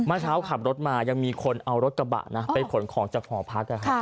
เมื่อเช้าขับรถมายังมีคนเอารถกระบะนะไปขนของจากหอพัก